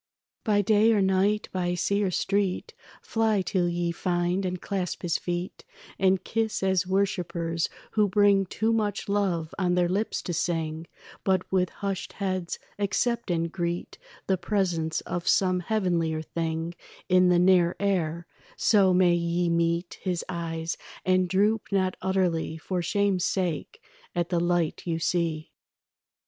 By day or night, by sea or street, Fly till ye find and clasp his feet And kiss as worshippers who bring Too much love on their lips to sing, But with hushed heads accept and greet The presence of some heavenlier thing In the near air; so may ye meet His eyes, and droop not utterly For shame's sake at the light you see.